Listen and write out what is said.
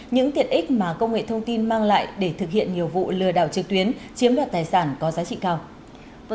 những tiện ích mà công nghệ thông tin mang lại để thực hiện nhiều vụ lừa đảo trực tuyến chiếm đoạt tài sản có giá trị cao